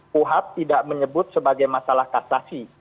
puhat tidak menyebut sebagai masalah kasasi